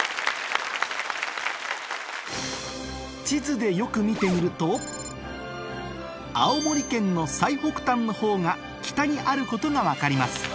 地図でよく見てみると青森県の最北端のほうが北にあることが分かります